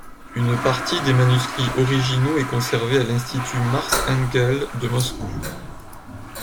Une partie des manuscrits originaux est conservée à l'institut Marx-Engels de Moscou.